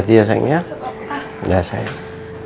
di depan ada pasirnya dateng